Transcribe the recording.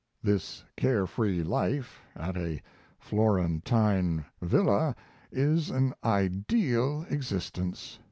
This carefree life at a Florentine villa is an ideal existence.